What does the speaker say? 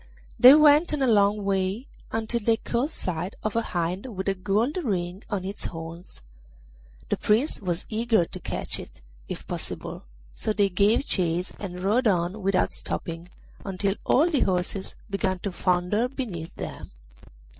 They went on a long way, until they caught sight of a hind with a gold ring on its horns. The Prince was eager to catch it, if possible, so they gave chase and rode on without stopping until all the horses began to founder beneath them.